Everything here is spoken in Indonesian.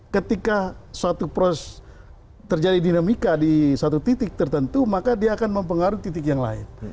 ketika suatu proses terjadi dinamika di satu titik tertentu maka dia akan mempengaruhi titik yang lain